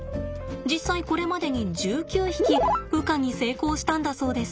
実際これまでに１９匹羽化に成功したんだそうです。